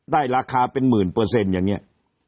ได้ราคาเป็น๑๐๐๐๐อย่างเนี่ย